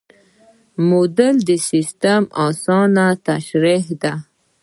موډل د سیسټم اسانه تشریح ده.